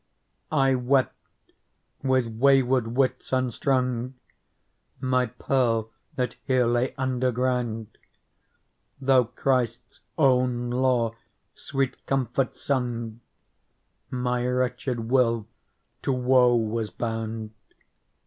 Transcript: I wept, with wayward wits unstrung, My Pearl that here lay underground : Though Christ's own lore sweet comfort sung. My wretched will to woe was bound.